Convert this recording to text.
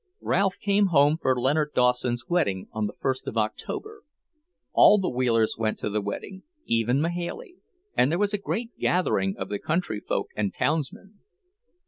Ralph came home for Leonard Dawson's wedding, on the first of October. All the Wheelers went to the wedding, even Mahailey, and there was a great gathering of the country folk and townsmen.